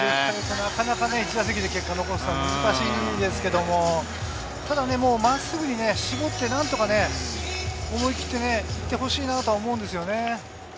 なかなか１打席で結果を出すのは難しいですけど、ただまっすぐ絞って何とか思い切っていってほしいなと思うんですけどね。